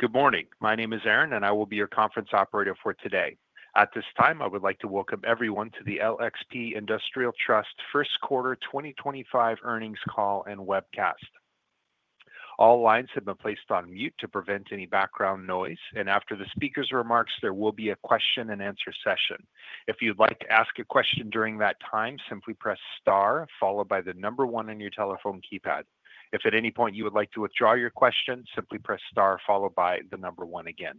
Good morning. My name is Aaron, and I will be your conference operator for today. At this time, I would like to welcome everyone to the LXP Industrial Trust First Quarter 2025 Earnings Call and Webcast. All lines have been placed on mute to prevent any background noise, and after the speaker's remarks, there will be a question-and-answer session. If you'd like to ask a question during that time, simply press star, followed by the number one on your telephone keypad. If at any point you would like to withdraw your question, simply press star, followed by the number one again.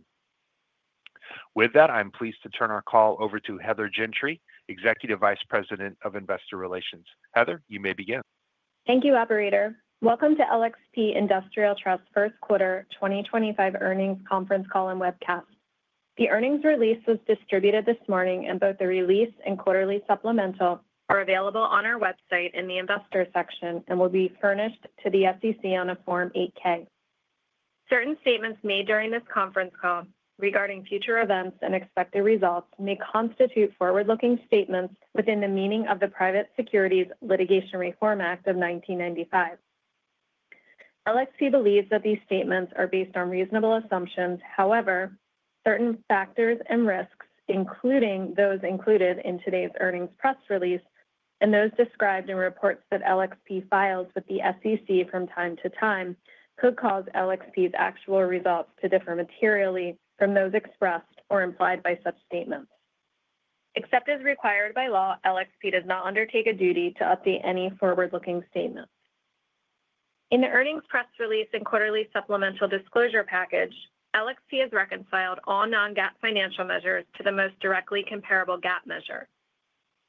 With that, I'm pleased to turn our call over to Heather Gentry, Executive Vice President of Investor Relations. Heather, you may begin. Thank you, Operator. Welcome to LXP Industrial Trust First Quarter 2025 Earnings Conference Call and Webcast. The earnings release was distributed this morning, and both the release and quarterly supplemental are available on our website in the Investor section and will be furnished to the SEC on a Form 8-K. Certain statements made during this conference call regarding future events and expected results may constitute forward-looking statements within the meaning of the Private Securities Litigation Reform Act of 1995. LXP believes that these statements are based on reasonable assumptions. However, certain factors and risks, including those included in today's earnings press release and those described in reports that LXP files with the SEC from time to time, could cause LXP's actual results to differ materially from those expressed or implied by such statements. Except as required by law, LXP does not undertake a duty to update any forward-looking statements. In the earnings press release and quarterly supplemental disclosure package, LXP has reconciled all non-GAAP financial measures to the most directly comparable GAAP measure.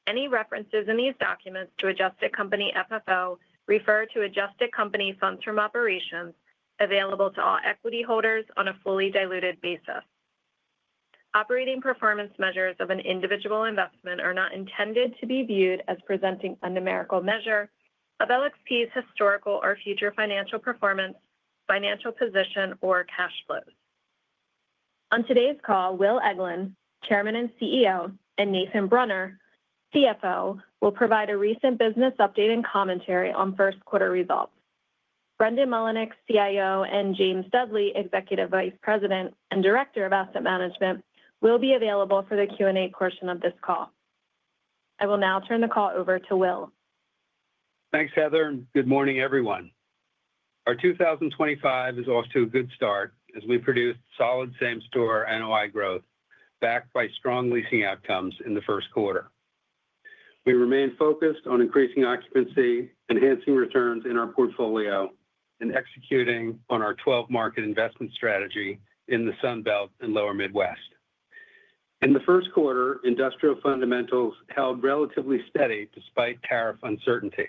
Any references in these documents to adjusted company FFO refer to adjusted company funds from operations available to all equity holders on a fully diluted basis. Operating performance measures of an individual investment are not intended to be viewed as presenting a numerical measure of LXP's historical or future financial performance, financial position, or cash flows. On today's call, Will Eglin, Chairman and CEO, and Nathan Brunner, CFO, will provide a recent business update and commentary on first quarter results. Brendan Mullinix, CIO, and James Dudley, Executive Vice President and Director of Asset Management, will be available for the Q&A portion of this call. I will now turn the call over to Will. Thanks, Heather. Good morning, everyone. Our 2025 is off to a good start as we produce solid same-store NOI growth backed by strong leasing outcomes in the first quarter. We remain focused on increasing occupancy, enhancing returns in our portfolio, and executing on our 12-market investment strategy in the Sunbelt and Lower Midwest. In the first quarter, industrial fundamentals held relatively steady despite tariff uncertainty.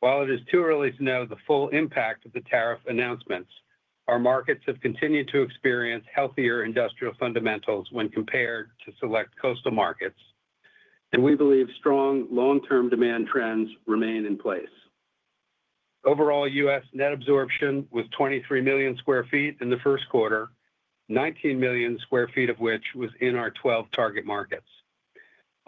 While it is too early to know the full impact of the tariff announcements, our markets have continued to experience healthier industrial fundamentals when compared to select coastal markets, and we believe strong long-term demand trends remain in place. Overall, U.S. net absorption was 23 million sq ft in the first quarter, 19 million sq ft of which was in our 12 target markets.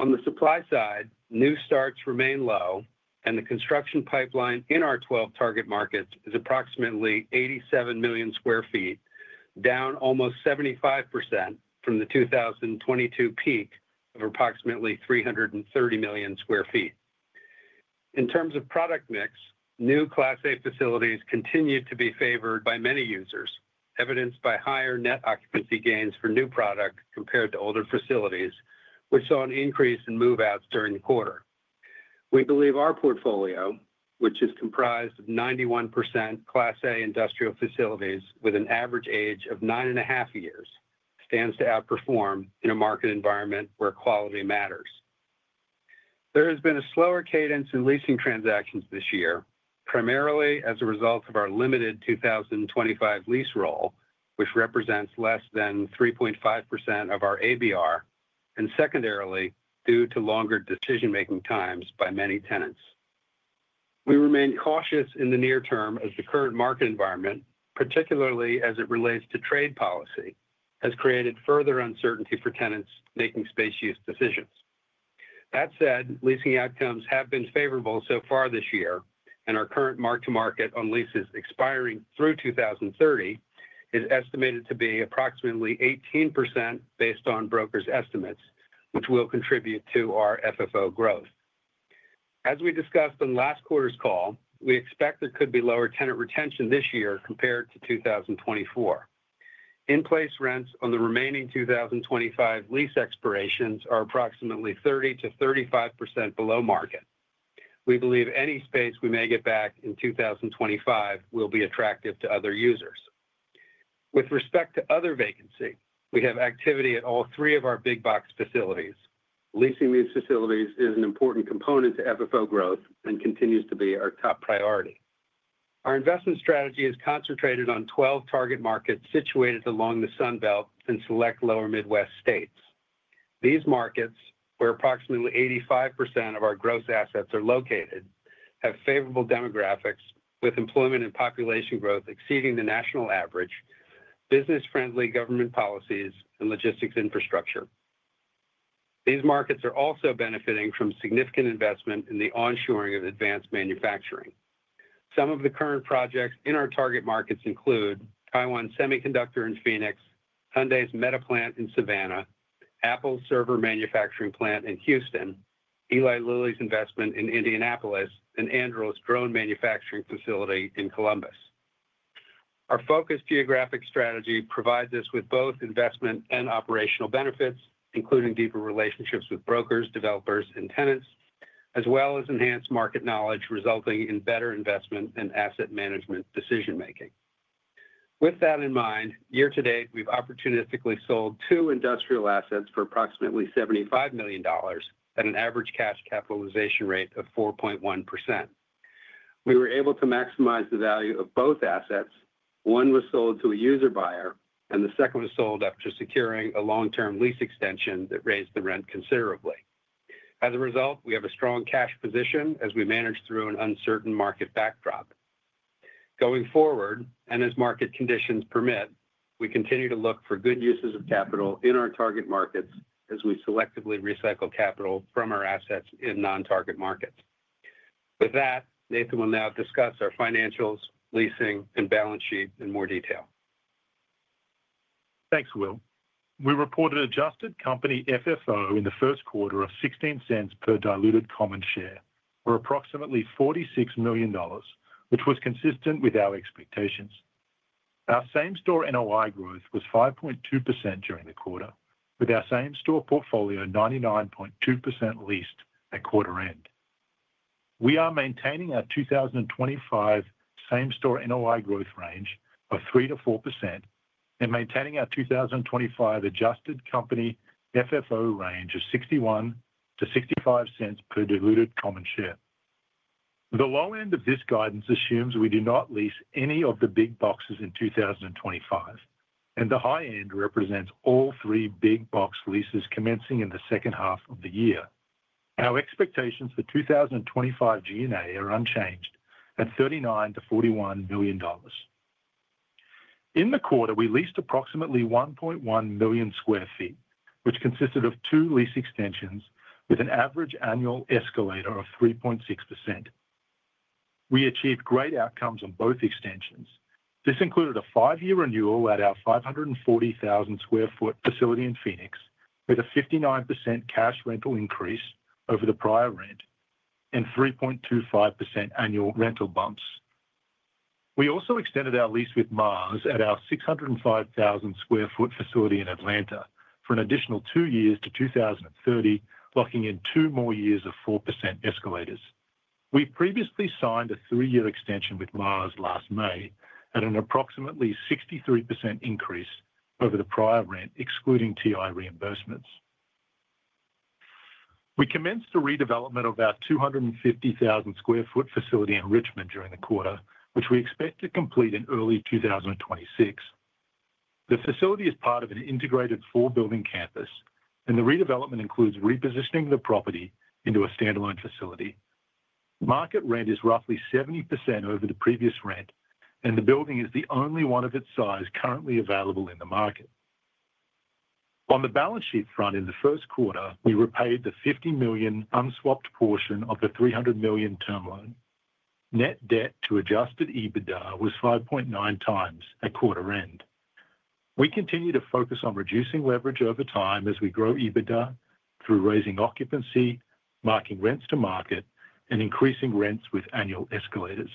On the supply side, new starts remain low, and the construction pipeline in our 12 target markets is approximately 87 million sq ft, down almost 75% from the 2022 peak of approximately 330 million sq ft. In terms of product mix, new Class A facilities continued to be favored by many users, evidenced by higher net occupancy gains for new product compared to older facilities, which saw an increase in move-outs during the quarter. We believe our portfolio, which is comprised of 91% Class A industrial facilities with an average age of nine and a half years, stands to outperform in a market environment where quality matters. There has been a slower cadence in leasing transactions this year, primarily as a result of our limited 2025 lease roll, which represents less than 3.5% of our ABR, and secondarily, due to longer decision-making times by many tenants. We remain cautious in the near term as the current market environment, particularly as it relates to trade policy, has created further uncertainty for tenants making space use decisions. That said, leasing outcomes have been favorable so far this year, and our current mark-to-market on leases expiring through 2030 is estimated to be approximately 18% based on brokers' estimates, which will contribute to our FFO growth. As we discussed in last quarter's call, we expect there could be lower tenant retention this year compared to 2024. In-place rents on the remaining 2025 lease expirations are approximately 30%-35% below market. We believe any space we may get back in 2025 will be attractive to other users. With respect to other vacancy, we have activity at all three of our big box facilities. Leasing these facilities is an important component to FFO growth and continues to be our top priority. Our investment strategy is concentrated on 12 target markets situated along the Sunbelt and select Lower Midwest states. These markets, where approximately 85% of our gross assets are located, have favorable demographics, with employment and population growth exceeding the national average, business-friendly government policies, and logistics infrastructure. These markets are also benefiting from significant investment in the onshoring of advanced manufacturing. Some of the current projects in our target markets include Taiwan Semiconductor in Phoenix, Hyundai's Metaplant in Savannah, Apple's server manufacturing plant in Houston, Eli Lilly's investment in Indianapolis, and Anduril's drone manufacturing facility in Columbus. Our focused geographic strategy provides us with both investment and operational benefits, including deeper relationships with brokers, developers, and tenants, as well as enhanced market knowledge resulting in better investment and asset management decision-making. With that in mind, year to date, we've opportunistically sold two industrial assets for approximately $75 million at an average cash capitalization rate of 4.1%. We were able to maximize the value of both assets. One was sold to a user buyer, and the second was sold after securing a long-term lease extension that raised the rent considerably. As a result, we have a strong cash position as we manage through an uncertain market backdrop. Going forward, and as market conditions permit, we continue to look for good uses of capital in our target markets as we selectively recycle capital from our assets in non-target markets. With that, Nathan will now discuss our financials, leasing, and balance sheet in more detail. Thanks, Will. We reported adjusted company FFO in the first quarter of $0.16 per diluted common share for approximately $46 million, which was consistent with our expectations. Our same-store NOI growth was 5.2% during the quarter, with our same-store portfolio 99.2% leased at quarter end. We are maintaining our 2025 same-store NOI growth range of 3%-4% and maintaining our 2025 adjusted company FFO range of $0.61-$0.65 per diluted common share. The low end of this guidance assumes we do not lease any of the big boxes in 2025, and the high end represents all three big box leases commencing in the second half of the year. Our expectations for 2025 G&A are unchanged at $39 million-$41 million. In the quarter, we leased approximately 1.1 million sq ft, which consisted of two lease extensions with an average annual escalator of 3.6%. We achieved great outcomes on both extensions. This included a five-year renewal at our 540,000 sq ft facility in Phoenix, with a 59% cash rental increase over the prior rent and 3.25% annual rental bumps. We also extended our lease with Mars at our 605,000 sq ft facility in Atlanta for an additional two years to 2030, locking in two more years of 4% escalators. We previously signed a three-year extension with Mars last May at an approximately 63% increase over the prior rent, excluding TI reimbursements. We commenced the redevelopment of our 250,000 sq ft facility in Richmond during the quarter, which we expect to complete in early 2026. The facility is part of an integrated four-building campus, and the redevelopment includes repositioning the property into a standalone facility. Market rent is roughly 70% over the previous rent, and the building is the only one of its size currently available in the market. On the balance sheet front, in the first quarter, we repaid the $50 million unswapped portion of the $300 million term loan. Net debt to adjusted EBITDA was 5.9 times at quarter end. We continue to focus on reducing leverage over time as we grow EBITDA through raising occupancy, marking rents to market, and increasing rents with annual escalators.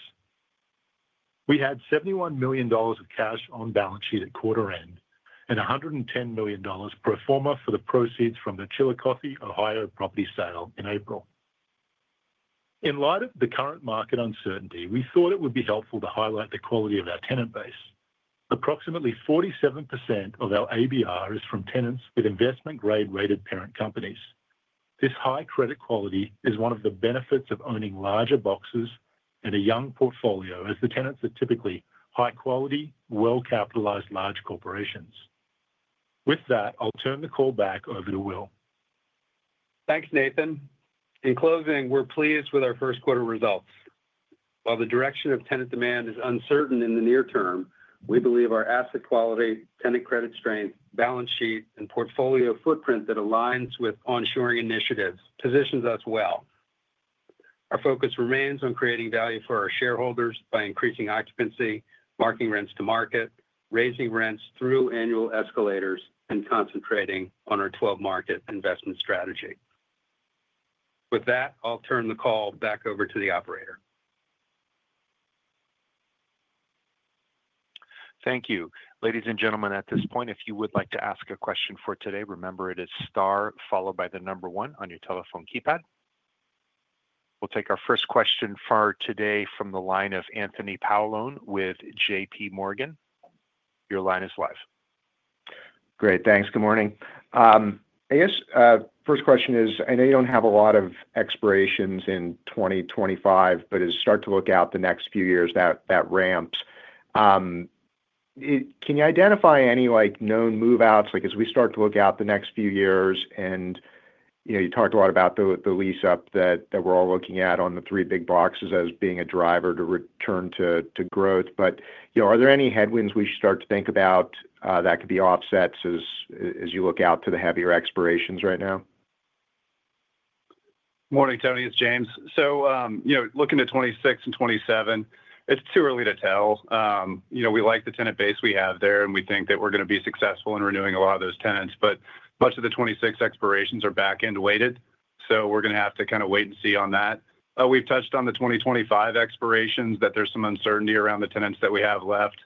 We had $71 million of cash on balance sheet at quarter end and $110 million pro forma for the proceeds from the Chillicothe, Ohio, property sale in April. In light of the current market uncertainty, we thought it would be helpful to highlight the quality of our tenant base. Approximately 47% of our ABR is from tenants with investment-grade rated parent companies. This high credit quality is one of the benefits of owning larger boxes and a young portfolio, as the tenants are typically high-quality, well-capitalized large corporations. With that, I'll turn the call back over to Will. Thanks, Nathan. In closing, we're pleased with our first quarter results. While the direction of tenant demand is uncertain in the near term, we believe our asset quality, tenant credit strength, balance sheet, and portfolio footprint that aligns with onshoring initiatives positions us well. Our focus remains on creating value for our shareholders by increasing occupancy, marking rents to market, raising rents through annual escalators, and concentrating on our 12-market investment strategy. With that, I'll turn the call back over to the operator. Thank you, ladies and gentlemen. At this point, if you would like to ask a question for today, remember it is star followed by the number one on your telephone keypad. We'll take our first question for today from the line of Anthony Paolone with J.P. Morgan. Your line is live. Great. Thanks. Good morning. I guess first question is, I know you don't have a lot of expirations in 2025, but as you start to look out the next few years, that ramps. Can you identify any known move-outs as we start to look out the next few years? You talked a lot about the lease-up that we're all looking at on the three big boxes as being a driver to return to growth. Are there any headwinds we should start to think about that could be offsets as you look out to the heavier expirations right now? Morning, Tony. It's James. Looking to 2026 and 2027, it's too early to tell. We like the tenant base we have there, and we think that we're going to be successful in renewing a lot of those tenants. Much of the 2026 expirations are back-end weighted, so we're going to have to kind of wait and see on that. We've touched on the 2025 expirations that there's some uncertainty around the tenants that we have left.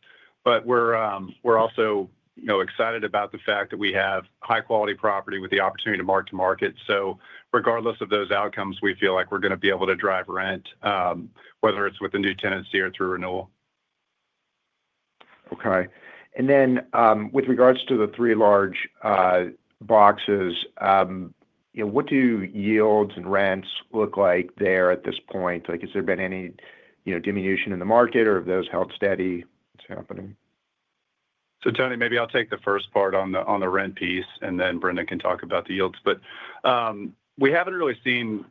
We're also excited about the fact that we have high-quality property with the opportunity to mark-to-market. Regardless of those outcomes, we feel like we're going to be able to drive rent, whether it's with the new tenancy or through renewal. Okay. With regards to the three large boxes, what do yields and rents look like there at this point? Has there been any diminution in the market, or have those held steady? What's happening? Tony, maybe I'll take the first part on the rent piece, and then Brendan can talk about the yields. We haven't really seen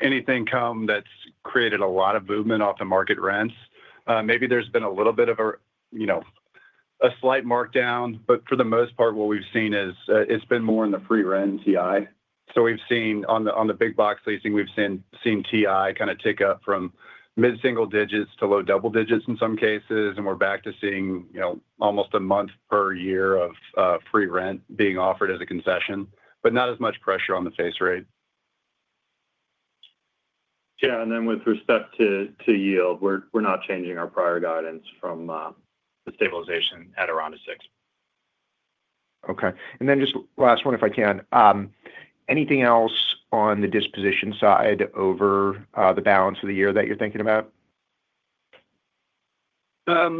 anything come that's created a lot of movement off the market rents. Maybe there's been a little bit of a slight markdown, but for the most part, what we've seen is it's been more in the free rent and TI. On the big box leasing, we've seen TI kind of tick up from mid-single digits to low double digits in some cases, and we're back to seeing almost a month per year of free rent being offered as a concession, but not as much pressure on the face rate. Yeah. With respect to yield, we're not changing our prior guidance from the stabilization at around a six. Okay. Just last one, if I can. Anything else on the disposition side over the balance of the year that you're thinking about? Not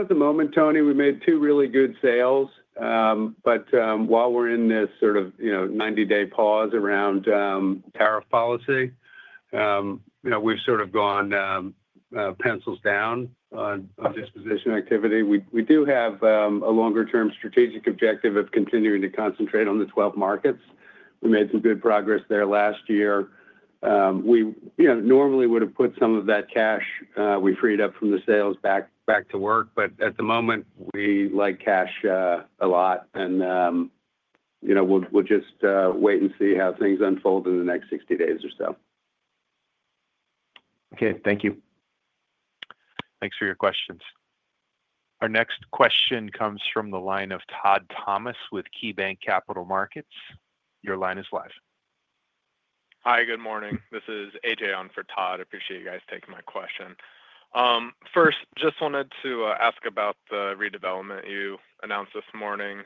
at the moment, Anthony. We made two really good sales. While we are in this sort of 90-day pause around tariff policy, we have sort of gone pencils down on disposition activity. We do have a longer-term strategic objective of continuing to concentrate on the 12 markets. We made some good progress there last year. We normally would have put some of that cash we freed up from the sales back to work, but at the moment, we like cash a lot, and we will just wait and see how things unfold in the next 60 days or so. Okay. Thank you. Thanks for your questions. Our next question comes from the line of Todd Thomas with KeyBank Capital Markets. Your line is live. Hi. Good morning. This is AJ on for Todd. Appreciate you guys taking my question. First, just wanted to ask about the redevelopment you announced this morning.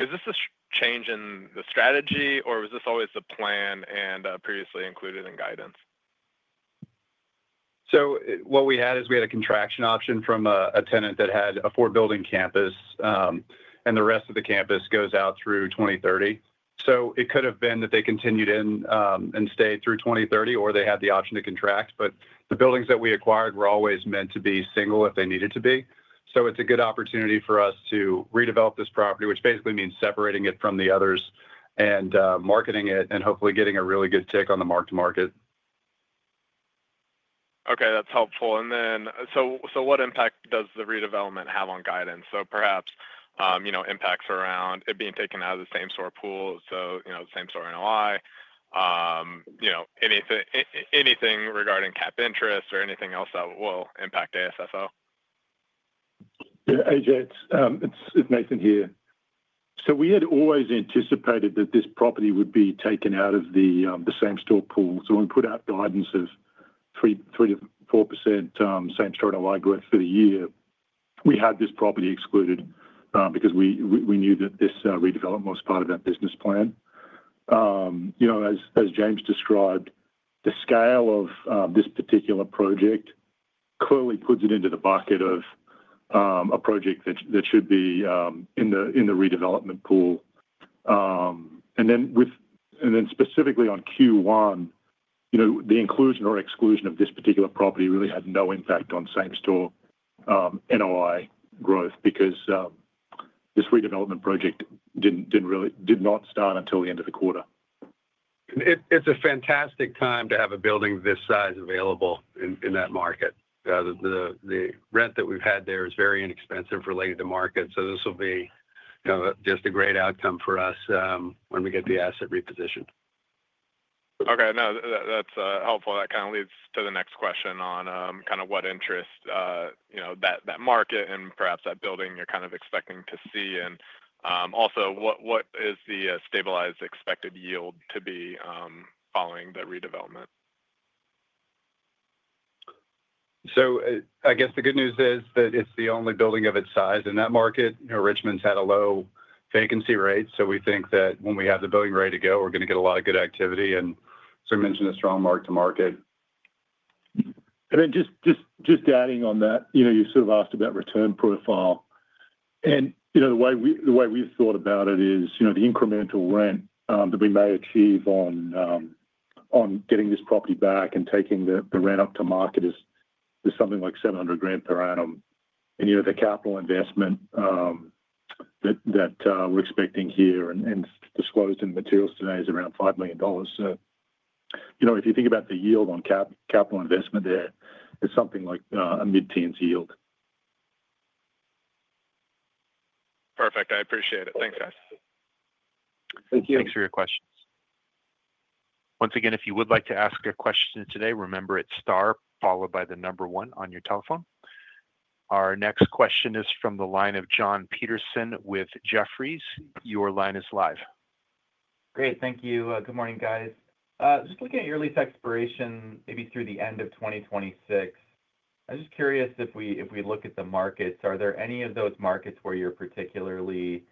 Is this a change in the strategy, or was this always the plan and previously included in guidance? What we had is we had a contraction option from a tenant that had a four-building campus, and the rest of the campus goes out through 2030. It could have been that they continued in and stayed through 2030, or they had the option to contract. The buildings that we acquired were always meant to be single if they needed to be. It is a good opportunity for us to redevelop this property, which basically means separating it from the others and marketing it, and hopefully getting a really good tick on the mark-to-market. Okay. That's helpful. What impact does the redevelopment have on guidance? Perhaps impacts around it being taken out of the same-store pool, so same-store NOI, anything regarding cap interest, or anything else that will impact AFFO? AJ, it's Nathan here. We had always anticipated that this property would be taken out of the same-store pool. When we put out guidance of 3%-4% same-store NOI growth for the year, we had this property excluded because we knew that this redevelopment was part of our business plan. As James described, the scale of this particular project clearly puts it into the bucket of a project that should be in the redevelopment pool. Specifically on Q1, the inclusion or exclusion of this particular property really had no impact on same-store NOI growth because this redevelopment project did not start until the end of the quarter. It's a fantastic time to have a building this size available in that market. The rent that we've had there is very inexpensive related to market, so this will be just a great outcome for us when we get the asset repositioned. Okay. No, that's helpful. That kind of leads to the next question on kind of what interest that market and perhaps that building you're kind of expecting to see. Also, what is the stabilized expected yield to be following the redevelopment? I guess the good news is that it's the only building of its size in that market. Richmond's had a low vacancy rate, so we think that when we have the building ready to go, we're going to get a lot of good activity. We mentioned a strong mark-to-market. Just adding on that, you sort of asked about return profile. The way we've thought about it is the incremental rent that we may achieve on getting this property back and taking the rent up to market is something like $700,000 per annum. The capital investment that we're expecting here and disclosed in the materials today is around $5 million. If you think about the yield on capital investment there, it's something like a mid-teens yield. Perfect. I appreciate it. Thanks, guys. Thank you. Thanks for your questions. Once again, if you would like to ask a question today, remember it's star followed by the number one on your telephone. Our next question is from the line of John Peterson with Jefferies. Your line is live. Great. Thank you. Good morning, guys. Just looking at your lease expiration, maybe through the end of 2026, I'm just curious if we look at the markets, are there any of those markets where you're particularly,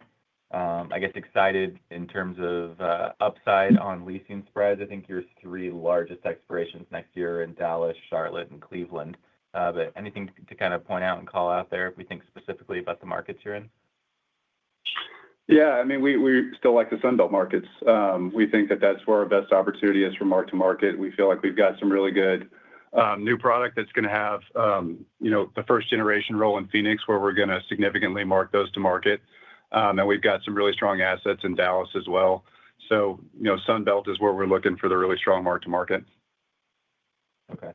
I guess, excited in terms of upside on leasing spreads? I think your three largest expirations next year are in Dallas, Charlotte, and Cleveland. Anything to kind of point out and call out there if we think specifically about the markets you're in? Yeah. I mean, we still like the Sunbelt markets. We think that that's where our best opportunity is for mark-to-market. We feel like we've got some really good new product that's going to have the first-generation role in Phoenix, where we're going to significantly mark those to market. We have some really strong assets in Dallas as well. Sunbelt is where we're looking for the really strong mark-to-market. Okay.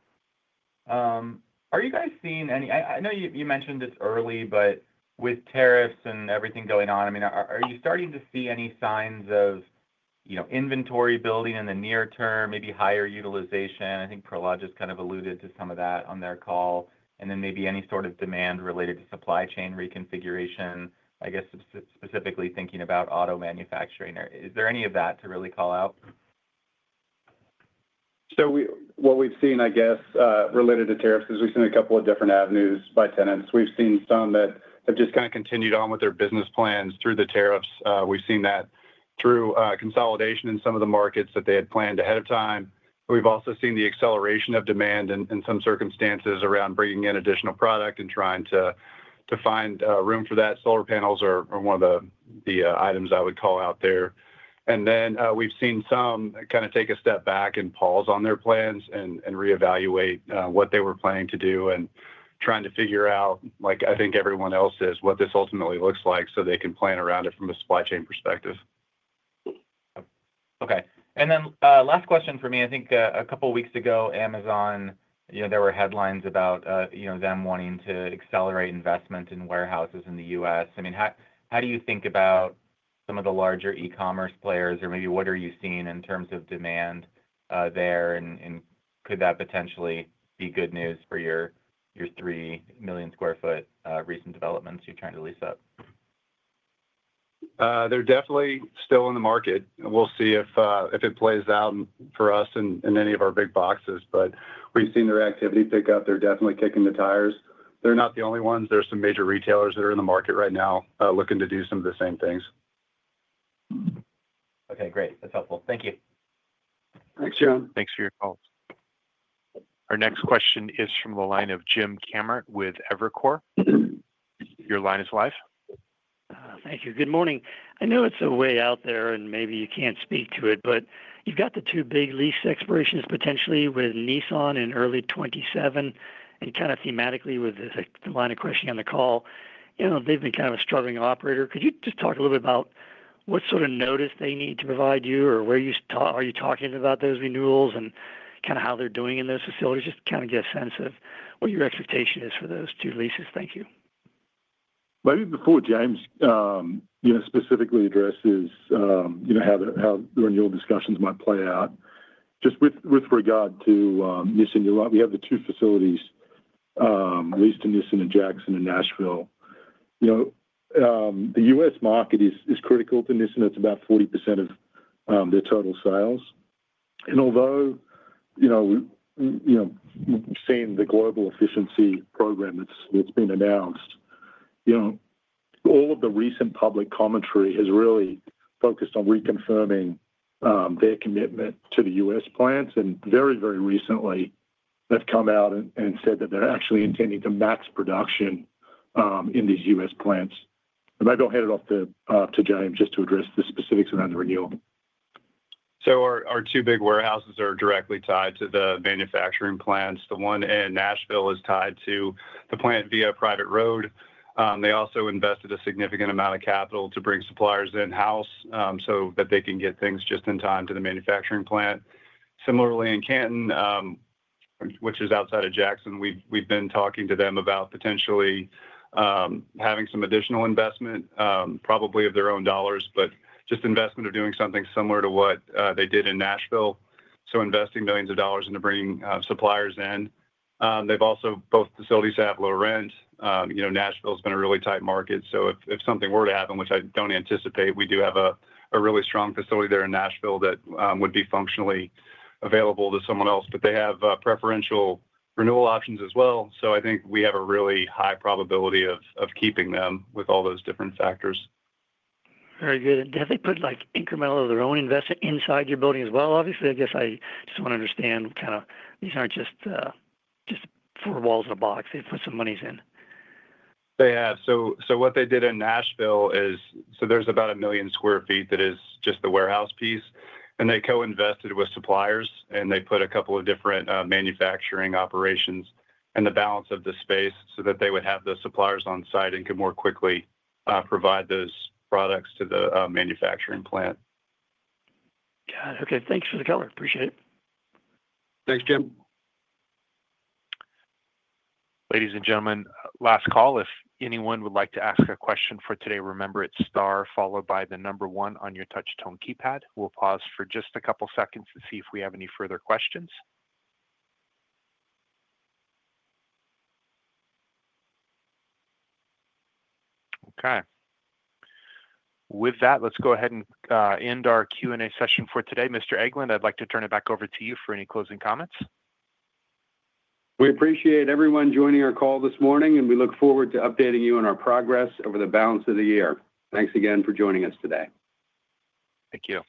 Are you guys seeing any—I know you mentioned it's early, but with tariffs and everything going on, I mean, are you starting to see any signs of inventory building in the near term, maybe higher utilization? I think Prologis has kind of alluded to some of that on their call. Maybe any sort of demand related to supply chain reconfiguration, I guess specifically thinking about auto manufacturing. Is there any of that to really call out? What we've seen, I guess, related to tariffs is we've seen a couple of different avenues by tenants. We've seen some that have just kind of continued on with their business plans through the tariffs. We've seen that through consolidation in some of the markets that they had planned ahead of time. We've also seen the acceleration of demand in some circumstances around bringing in additional product and trying to find room for that. Solar panels are one of the items I would call out there. Then we've seen some kind of take a step back and pause on their plans and reevaluate what they were planning to do and trying to figure out, like I think everyone else is, what this ultimately looks like so they can plan around it from a supply chain perspective. Okay. Last question for me. I think a couple of weeks ago, Amazon, there were headlines about them wanting to accelerate investment in warehouses in the US. I mean, how do you think about some of the larger e-commerce players? Or maybe what are you seeing in terms of demand there? Could that potentially be good news for your 3 million sq ft recent developments you're trying to lease up? They're definitely still in the market. We'll see if it plays out for us and any of our big boxes. We've seen their activity pick up. They're definitely kicking the tires. They're not the only ones. There are some major retailers that are in the market right now looking to do some of the same things. Okay. Great. That's helpful. Thank you. Thanks, John. Thanks for your call. Our next question is from the line of Jim Cameron with Evercore. Your line is live. Thank you. Good morning. I know it's a way out there, and maybe you can't speak to it, but you've got the two big lease expirations potentially with Nissan in early 2027. Kind of thematically, with the line of questioning on the call, they've been kind of a struggling operator. Could you just talk a little bit about what sort of notice they need to provide you, or are you talking about those renewals and kind of how they're doing in those facilities? Just kind of get a sense of what your expectation is for those two leases. Thank you. Maybe before James specifically addresses how the renewal discussions might play out, just with regard to Nissan, we have the two facilities leased to Nissan in Jackson and Nashville. The U.S. market is critical to Nissan. It's about 40% of their total sales. Although we've seen the global efficiency program that's been announced, all of the recent public commentary has really focused on reconfirming their commitment to the U.S. plants. Very, very recently, they've come out and said that they're actually intending to max production in these U.S. plants. Maybe I'll hand it off to James just to address the specifics around the renewal. Our two big warehouses are directly tied to the manufacturing plants. The one in Nashville is tied to the plant via a private road. They also invested a significant amount of capital to bring suppliers in-house so that they can get things just in time to the manufacturing plant. Similarly, in Canton, which is outside of Jackson, we've been talking to them about potentially having some additional investment, probably of their own dollars, but just investment of doing something similar to what they did in Nashville. Investing millions of dollars into bringing suppliers in. Both facilities have low rent. Nashville has been a really tight market. If something were to happen, which I don't anticipate, we do have a really strong facility there in Nashville that would be functionally available to someone else. They have preferential renewal options as well. I think we have a really high probability of keeping them with all those different factors. Very good. Have they put incremental of their own investment inside your building as well? Obviously, I guess I just want to understand kind of these aren't just four walls in a box. They've put some monies in. They have. What they did in Nashville is, there is about 1 million sq ft that is just the warehouse piece. They co-invested with suppliers, and they put a couple of different manufacturing operations in the balance of the space so that they would have the suppliers on site and could more quickly provide those products to the manufacturing plant. Got it. Okay. Thanks for the color. Appreciate it. Thanks, Jim. Ladies and gentlemen, last call. If anyone would like to ask a question for today, remember it's star followed by the number one on your touch-tone keypad. We'll pause for just a couple of seconds to see if we have any further questions. Okay. With that, let's go ahead and end our Q&A session for today. Mr. Eglin, I'd like to turn it back over to you for any closing comments. We appreciate everyone joining our call this morning, and we look forward to updating you on our progress over the balance of the year. Thanks again for joining us today. Thank you.